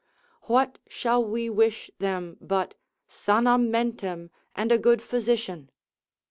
What shall we wish them, but sanam mentem, and a good physician?